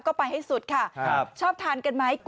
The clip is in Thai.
ก็ไปให้สุดค่ะใช่ครับชอบทานกันไหม